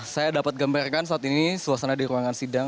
saya dapat gambarkan saat ini suasana di ruangan sidang